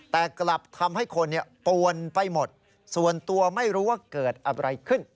แต่กลับทำให้คนปวนไปหมดส่วนตัวไม่รู้ว่าเกิดอะไรขึ้น